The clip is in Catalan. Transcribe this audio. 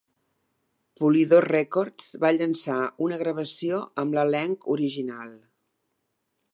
Polydor Records va llançar una gravació amb l"elenc original.